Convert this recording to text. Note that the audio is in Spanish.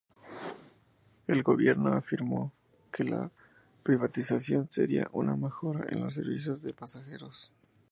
El gobierno afirmó que la privatización sería una mejora en los servicios de pasajeros.